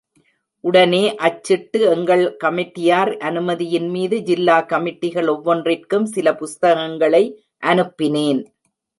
உடனே அச்சிட்டு, எங்கள் கமிட்டியார் அனுமதியின்மீது ஜில்லா கமிட்டிகள் ஒவ்வொன்றிற்கும் சில புஸ்தகங்களை அனுப்பினேன்.